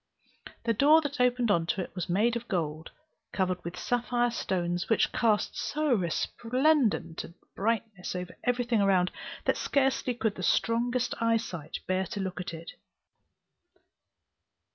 The door that opened into it was made of gold, covered with sapphire stones, which cast so resplendent a brightness over everything around, that scarcely could the strongest eyesight bear to look at it.